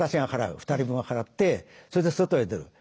２人分払ってそれで外へ出る。